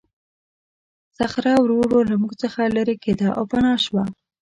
صخره ورو ورو له موږ څخه لیرې کېده او پناه شوه.